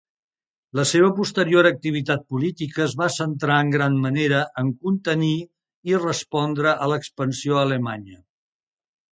La seva posterior activitat política es va centrar en gran manera en contenir i respondre a l'expansió alemanya.